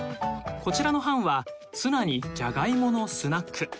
こちらの班はツナにジャガイモのスナック。